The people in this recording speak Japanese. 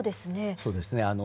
そうですね。